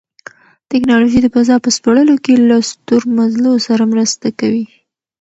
تکنالوژي د فضا په سپړلو کې له ستورمزلو سره مرسته کوي.